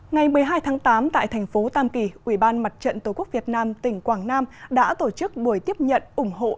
ngày một mươi hai tháng tám tại thành phố tam kỳ ubnd tqvn tỉnh quảng nam đã tổ chức buổi tiếp nhận ủng hộ